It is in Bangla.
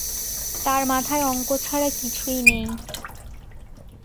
তার মাথায় অঙ্ক ছাড়া কিছুই নেই।